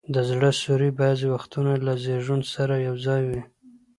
د زړه سوري بعضي وختونه له زیږون سره یو ځای وي.